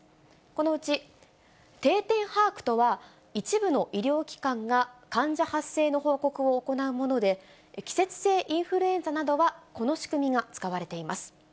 このうち定点把握とは、一部の医療機関が患者発生の報告を行うもので、季節性インフルエンザなどは、この仕組みが使われています。